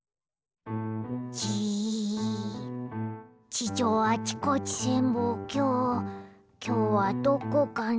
地上あちこち潜望鏡きょうはどこかな？